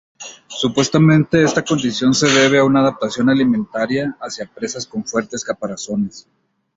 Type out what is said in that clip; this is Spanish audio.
Supuestamente esta condición se debe a una adaptación alimentaria hacia presas con fuertes caparazones.